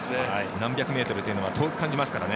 何百メートルというのが遠く感じますからね。